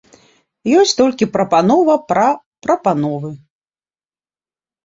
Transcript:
Ёсць толькі прапанова пра прапановы.